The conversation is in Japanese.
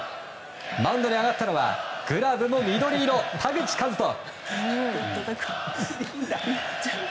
マウンドに上がったのはグラブも緑色、田口麗斗。